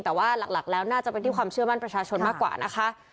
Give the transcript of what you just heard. แต่ว่าหลักแล้วน่าจะเป็นที่ความเชื่อมั่นประชาชนมากกว่านะคะ